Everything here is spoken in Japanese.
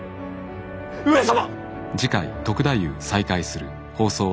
上様！